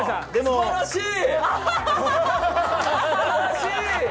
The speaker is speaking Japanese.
素晴らしい！